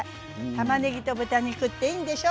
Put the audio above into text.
たまねぎと豚肉っていいんでしょう？